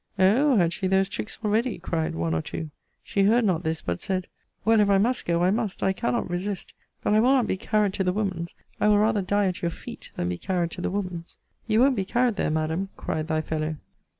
Oh! had she those tricks already? cried one or two. She heard not this but said Well, if I must go, I must I cannot resist but I will not be carried to the woman's! I will rather die at your feet, than be carried to the woman's. You won't be carried there, Madam, cried thy fellow.